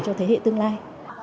cho thế hệ tương lai